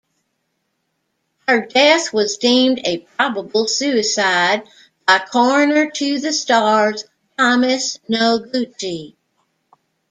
Her death was deemed a probable suicide by "Coroner to the Stars" Thomas Noguchi.